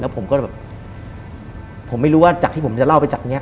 ผมก็แบบผมไม่รู้ว่าจากที่ผมจะเล่าไปจากนี้